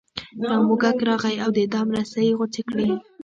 یو موږک راغی او د دام رسۍ یې غوڅې کړې.